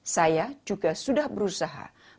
saya juga sudah berusaha